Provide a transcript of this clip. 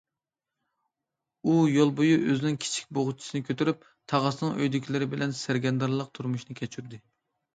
ئۇ يول بويى ئۆزىنىڭ كىچىك بوغچىسىنى كۆتۈرۈپ تاغىسىنىڭ ئۆيىدىكىلىرى بىلەن سەرگەردانلىق تۇرمۇشىنى كەچۈردى.